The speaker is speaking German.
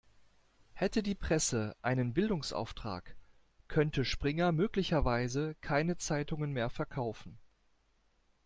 Hätte die Presse einen Bildungsauftrag, könnte Springer möglicherweise keine Zeitungen mehr verkaufen.